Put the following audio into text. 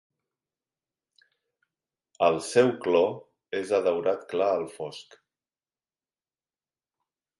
El seu clor és de daurat clar al fosc.